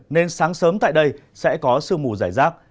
nên sáng sớm tại đây sẽ có sương mù giải rác